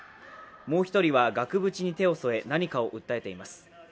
もう１人は額縁に手を添え、何かを訴えています。